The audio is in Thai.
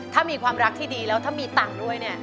ถ้ามีความรักที่ดีแล้วถ้ามีตังค์ด้วยเนี่ย